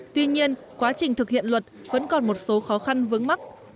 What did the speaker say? tuy nhiên quá trình thực hiện luật vẫn còn một số khó khăn vững mắc